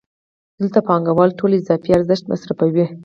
دلته پانګوال ټول اضافي ارزښت مصرفوي